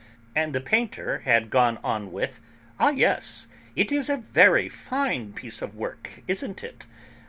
and the painter had gone on with, "Ah, yes, it's a very fine bit of work, isn't it?